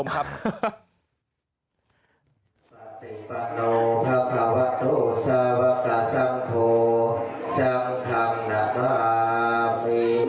คุณผู้ชมครับ